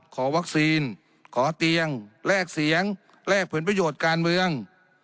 ขอวัคซีนขอเตียงแลกเสียงแลกผลประโยชน์การเมือง